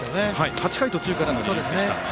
８回途中からのイニングでした。